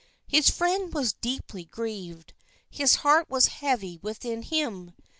His friend was deeply grieved. His heart was heavy within him.